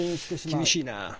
厳しいなあ。